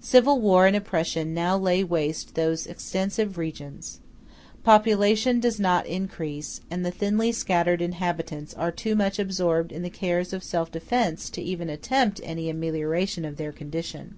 Civil war and oppression now lay waste those extensive regions. Population does not increase, and the thinly scattered inhabitants are too much absorbed in the cares of self defense even to attempt any amelioration of their condition.